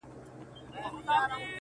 • نه حیا له رقیبانو نه سیالانو,